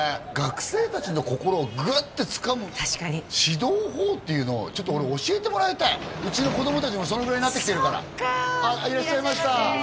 学生たちの心をグッてつかむ指導法っていうのをちょっと俺教えてもらいたいうちの子どもたちもそのぐらいになってきてるからいらっしゃいました